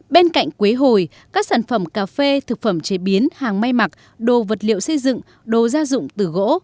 bên cạnh quế hồi các sản phẩm cà phê thực phẩm chế biến hàng may mặc đồ vật liệu xây dựng đồ gia dụng từ gỗ